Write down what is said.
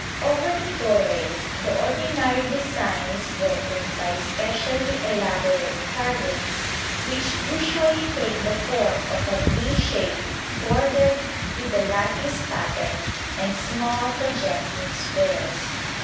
Over the doorways the ordinary design is broken by specially elaborate carvings which usually take the form of a V shape bordered with a lattice pattern and small projecting squares.